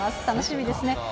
楽しみですね。